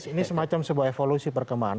ini semacam sebuah evolusi perkembangan